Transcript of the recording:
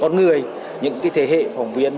con người những cái thế hệ phòng viên